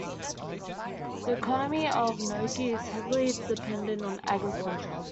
The economy of Nogi is heavily dependent on agriculture.